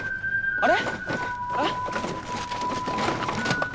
あれ？